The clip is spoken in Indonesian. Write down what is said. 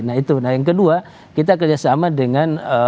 nah yang kedua kita kerjasama dengan